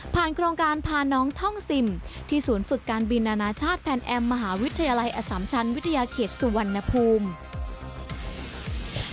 โครงการพาน้องท่องซิมที่ศูนย์ฝึกการบินนานาชาติแพลนแอมมหาวิทยาลัยอสัมชันวิทยาเขตสุวรรณภูมิ